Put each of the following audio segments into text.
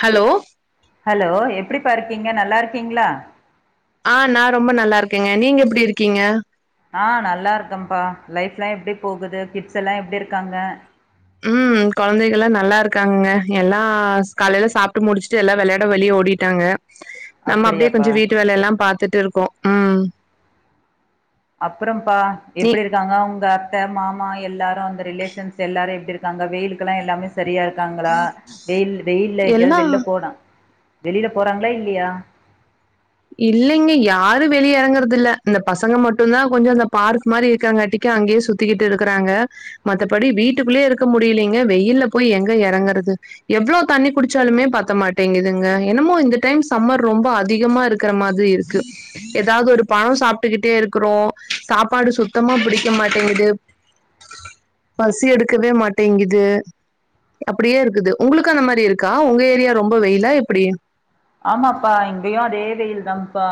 hello hello எப்டிபா இர்க்கீங்க நல்லா இருக்கீங்களா ஆ நா ரொம்ப நல்லா இருக்கேங்க நீங்க எப்படி இருக்கீங்க ஆ நல்லா இருக்கேப்பா லைஃப் எல்லா எப்படி போகுது கிட்ஸ் எல்லா எப்படி இருக்காங்க ம் குழந்தைகல்லா நல்லா இருக்காங்க எல்லா காலையிலா சாப்ட்டு முடிச்சுட்டு எல்லா விளையாட வெளியே ஓடிட்டாங்க நம்ம அப்படியே அப்படியாப்பா கொஞ்ச வீட்டு வேலைய எல்லா பார்த்துட்டு விட்டு இருக்கோ உம் அப்புறம்ப்பா எப்படி இருக்காங்க உங்க அத் த மாமா எல்லாரு வந்த ரிலேஷன்ஸ் எல்லாரு எப்படி இரு அங்க வெயிலுக்குல்லா எல்லாமே சரியா இருக்காங்களா வெயில் வெயில்ல எங்காவது எல்லா வெளில போனா வெளியில போறாங்களா இல்லையா இல்லைங்க யாரு வெளிய எறங்குறது இல்ல இந்த பசங்க மட்டும்தா கொஞ்ச அந்த பார்க்க் மாதிரி இருக்கிறங்காட்டிக்கு அங்கேயே சுத்திக்கிட்டு இருக்கறாங்க மத்தபடி வீட்டுக்குள்ளயே இருக்க முடியலங்க வெயில்ல போய் எங்க இறங்குறது எவ்வளவு தண்ணி குடிச்சாலுமே பத்த மாட்டேங்குதுங்க என்னமோ இந்த டைம் சம்மர் ரொம்ப அதிகமா இருக்கு இருக்கிற மாதிரி இருக்கு ஏதாவது ஒரு பழம் சாப்பிட்டுக்கிட்டே இருக்கிறோ சாப்பாடு சுத்தமா பிடிக்க மாட்டேங்குது பசி எடுக்கவே மாட்டேங்குது அப்படியே இருக்குது உங்களுக்கு அந்த மாதிரி இருக்கா உங்க ஏரியா ரொம்ப வெயிலா எப்படி ஆமாப்பா இங்கேயு அதே வெயில் தாப்பா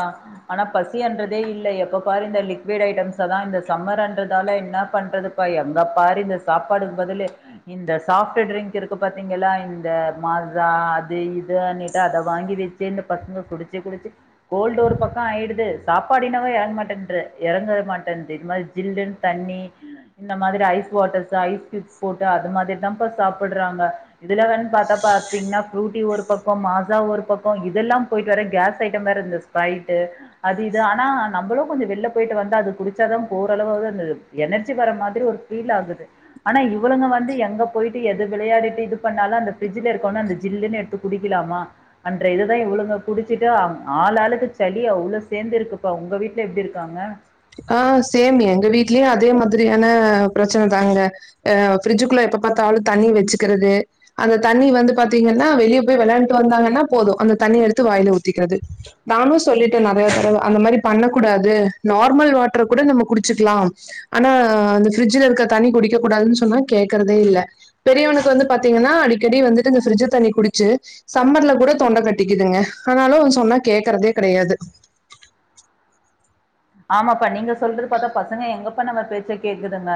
ஆனா பசின்றதே இல்ல எப்ப பாரு இந்த லிக்விட் ஐட்டம்ஸ்தா இந்த சம்மர்ன்றதால என்ன பண்றதுப்பா எங்க பாரு இந்த சாப்பாடுக்கு பதில இந்த சாஃப்ட் டரிங்க் இருக்கு பாத்தீங்களா இந்த மாசா அது இதுனிட்டு அத வாங்கி வச்ச பசங்ங குடிச்சு குடிச்சு கோல்டு ஒரு பக்கம் ஆய்டுது சாப்பாடு இன்னாவோ இறங்ங மாட்டே இறங்க மாட்டுன்து இந்த மாதிரி ஜில்லுனு தண்ணீ இந்த மாதிரி ஐஸ் வாட்டர்ஸ் ஐஸ் க்யூப்ஸ் போட்டு அது மாதிரி தான்பா சாப்பிட்ராங்க இதல வேற பாத்தாப்பா ஃப்ரூடி ஒரு பக்கம் மாஸா ஒரு பக்கம் இதெல்லா போயிட்டு வேற கேஸ் ஐட்டம் வேற இந்த ஸ்பரைட் அது இது ஆனா நம்பளு கொஞ்ச வெளில போயிட்டு வந்து அது குடிச்சாதா ஓரளவாவது அந்த எனர்ஜி வரற மாதிரி ஒரு ஃபீல் ஆகுது ஆனா இவளுங்க வந்து எங்க போயிட்டு எது விளையாடிட்டு இது பண்ணாலு அந்த ஃபிரிட்ஜ்ல இருக்க அந்த ஜில்லுன்னு எடுத்து குடிக்கலாமா அன்ற இதுதா இவ்ளுங்க குடிச்சிட்டு் ஆள்ளாளுக்கு சளி அவ்ளவு சேர்ந்து இருக்குப்பா உங்க வீட்டுல எப்படி இருக்காங்க ஆ சேம் எங்க வீட்லயு அதே மாதிரியான பிரச்சனதாங்க அ ஃபிரிட்ஜுக்குள்ள எப்ப பாத்தாலும் தண்ணி வச்சுக்கிறது அந்த தண்ணி வந்து பார்த்தீங்கன்னா வெளியே போய் விளையாண்டுட்டு வந்தாங்கன்னா போது அந்த தண்ணி எடுத்து வாயில ஊத்திக்கிறது நானு சொல்லிட்டே நிறைய தடவ அந்த மாதிரி பண்ண கூடாது நார் நார்மல் வாட்டர் கூட நம்ம குடிச்சுக்கலா ஆனா இந்த பிரிட்ஜுல இருக்க தண்ணி குடிக்க கூடாதுன்னு சொன்னா கேக்குறதே இல்ல பெரியவனுக்கு வந்து பாத்தீங்கன்னா அடிக்கடி வந்துட்டு இந்த பிரிட்ஜ தண்ணி குடிச்சு சம்மர்ல கூட தொண்ட கட்டிக்குதுங்க ஆனாலு சொன்னா கேக்குறதே கிடையாது ஆமாப்பா நீங்க சொல்றது பார்த்தா பசங்க எங்கப்பா நம்ம பேச்ச கேக்குதுங்க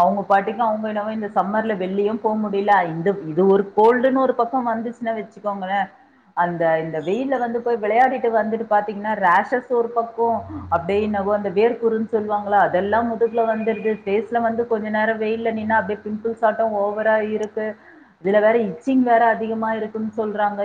அவங்க பாட்டிக்கு அவங்க என்னவோ இந்த சம்மர்ல வெளியு போக முடியல இந்த இது ஒரு கோல்டுன்னு ஒரு பக்கம் வந்துச்சுன்னா வெச்சுக் கோங்களே அந்த இந்த வெயில வந்து போய் விளையாடிட்டு வந்துட்டு பாத்தீங்கன்னா ரேஷஸ் ஒரு பக்கம் டேய்னவோ அந்த வேர்குறுனு சொல்லுவாங்களா அதெல்லா முதுகல வந்துருது பேஸ்ல வந்து கொஞ்ச நேரம் வெயில்ல நின்னா அப்படியே பிம்பிள்ஸ் ஆட்டும் ஓவரா இருக்கு இதுல வேற இச்சிங் வேற அதிகமா இருக்குன் சொல்றாங்க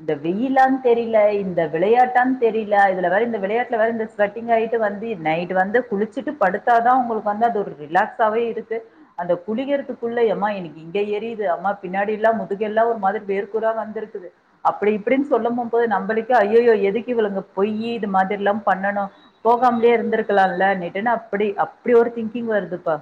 இந்த வெயிலான்னு தெரில இந்த விளையாட்டான்னு தெரில இதுல வேற இந்த விளையாட்டுல வேற இந்த ஸ்வெட் ட்டு ஆயிட்டு வந்து நைட் வந்து குளிச்சுட்டு படுத்தாதா உங்களுக்கு வந்து அது ஒரு ரிலாக்ஸ்ஸாவே இருக்கு அதூ குளிகிறதுக்குள்ள எம்மா எனக்கு இங்க ஏரியுது அம்மா பின்னாடி எல்லா முதுக எல்லா ஒரு மாதிரி வேர்கூறா வந்திருக்குது அப்படி இப்படின்னு சொல்ல போம்போது நம்மளுக்கே ஐய்யயோ எதுக்கு இவளுங் போயி இத மாதிரி எல்லா பண்ணணு போகாமலேயே இருந்திருக்கலாம்ல நட்டுன்னு அப்படி அப்படி ஒரு திங்கிங் வருதுப்பா